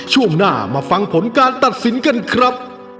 ช่วงหน้ามาฟังผลการตัดสินกันครับ